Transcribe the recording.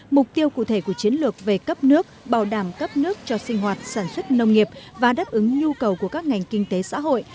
mục tiêu cụ thể của chiến lược về cấp nước bảo đảm cấp nước cho sinh hoạt sản xuất nông nghiệp và đáp ứng nhu cầu của các ngành kinh tế xã hội